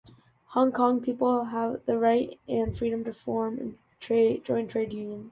Hong Kong people have the right and freedom to form and join trade unions.